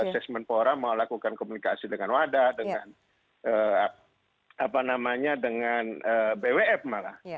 pemerintah juga sudah melakukan komunikasi dengan wadah dengan bwf malah